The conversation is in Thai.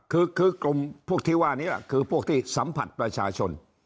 คือกลุ่มพวกที่ว่านี้คือพวกที่สัมผัสประชาชน